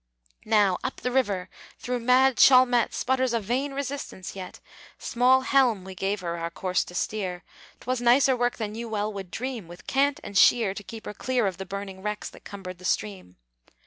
Now, up the river! though mad Chalmette Sputters a vain resistance yet, Small helm we gave her our course to steer, 'Twas nicer work than you well would dream, With cant and sheer to keep her clear Of the burning wrecks that cumbered the stream.